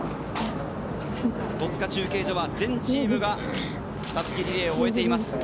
戸塚中継所は全チームが襷リレーを終えています。